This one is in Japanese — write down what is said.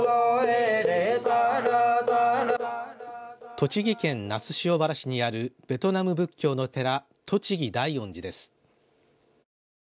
栃木県那須塩原市にあるベトナム仏教の寺栃木大恩寺です。